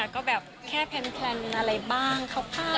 ก็แบบแค่แพลนอะไรบ้างคร่าว